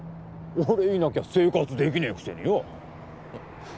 俺いなきゃ生活できねえくせによ